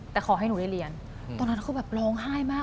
แต่ขอให้หนูได้เรียนตอนนั้นคือแบบร้องไห้มาก